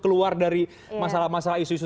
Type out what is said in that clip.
keluar dari masalah masalah isu isu